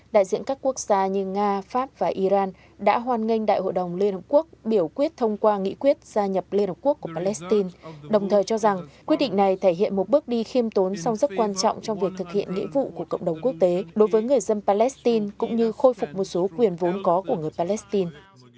đại diện các quốc gia như nga pháp và iran đã hoan nghênh đại hội đồng liên hợp quốc biểu quyết thông qua nghị quyết gia nhập liên hợp quốc của palestine đồng thời cho rằng quyết định này thể hiện một bước đi khiêm tốn song rất quan trọng trong việc thực hiện nghĩa vụ của cộng đồng quốc tế đối với người dân palestine cũng như khôi phục một số quyền vốn có của người palestine